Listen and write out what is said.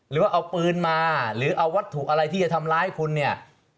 หรือว่าเอาปืนมาหรือเอาวัตถุอะไรที่จะทำร้ายคุณเนี่ย